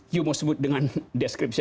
you mau sebut dengan deskripsi